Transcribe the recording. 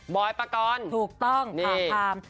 บอยประกรณ์นี่ถูกต้องค่ะพร้อม